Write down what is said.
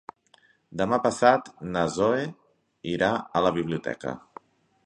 Demà passat na Zoè irà a la biblioteca.